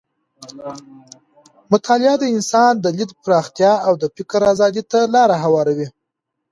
مطالعه د انسان د لید پراختیا او د فکر ازادۍ ته لاره هواروي.